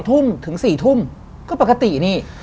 ทุ่มถึง๔ทุ่มก็ปกตินี่